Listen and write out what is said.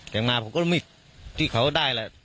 แต่มาผมก็ไม่ที่เขาได้แหละ